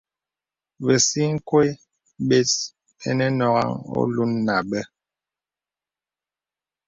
Bə̀sikwe bes bə̄ nə̀ nɔ̀ghaŋ alūn nə̀ bès.